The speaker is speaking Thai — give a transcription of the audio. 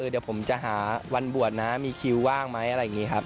เดี๋ยวผมจะหาวันบวชนะมีคิวว่างไหมอะไรอย่างนี้ครับ